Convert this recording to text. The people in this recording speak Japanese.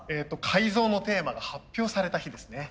改造のテーマが発表された日ですね。